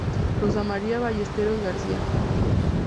Rosa María Ballesteros García.